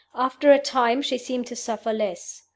After a time she seemed to suffer less.